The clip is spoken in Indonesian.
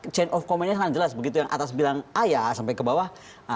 karena chain of commentnya sangat jelas begitu yang atas bilang ayah sampai ke bawah